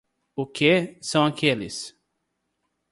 O quê, são aqueles?